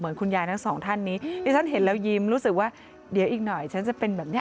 คุณยายทั้งสองท่านนี้ที่ฉันเห็นแล้วยิ้มรู้สึกว่าเดี๋ยวอีกหน่อยฉันจะเป็นแบบนี้